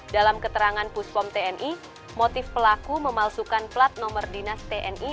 dalam keterangan puspom tni motif pelaku memalsukan plat nomor dinas tni